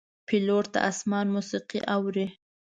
پیلوټ د آسمان موسیقي اوري.